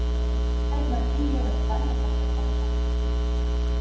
Այդ մասին ևս կան հակասական կարծիքներ։